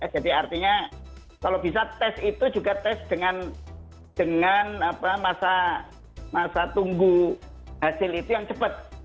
jadi artinya kalau bisa test itu juga test dengan masa tunggu hasil itu yang cepat